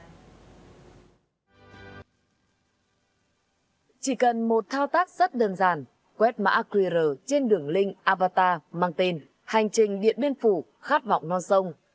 chỉ cần một thao tác rất đơn giản quét mã qr trên đường link avatar mang tên hành trình điện biên phủ khát vọng non sông